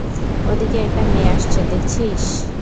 ওদিকে একটা মেয়ে আসছে দেখছিস?